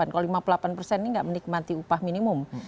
kalau lima puluh delapan persen ini tidak menikmati upah minimum